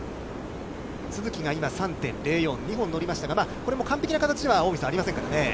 都筑が今、３．０４、２本乗りましたが、これも完璧な形では、近江さん、ありませんからね。